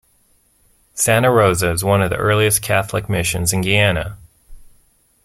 Santa Rosa is one of the earliest Catholic Missions in Guyana.